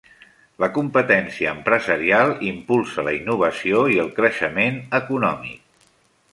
La competència empresarial impulsa la innovació i el creixement econòmic.